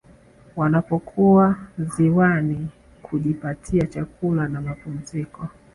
Wanapokuwa ziwani kujipatia chakula na mapumziko